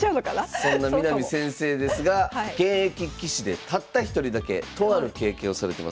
そんな南先生ですが現役棋士でたった一人だけとある経験をされてます。